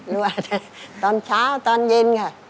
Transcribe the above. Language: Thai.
ว่าตอนเช้าตอนเย็นค่ะ